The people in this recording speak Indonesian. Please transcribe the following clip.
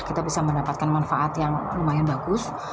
kita bisa mendapatkan manfaat yang lumayan bagus